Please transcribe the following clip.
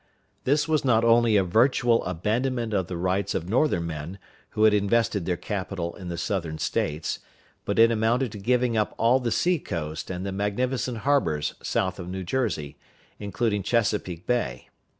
This was not only a virtual abandonment of the rights of Northern men who had invested their capital in the Southern States, but it amounted to giving up all the sea coast and magnificent harbors south of New Jersey, including Chesapeake Bay.